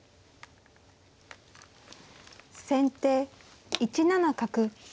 先手１七角。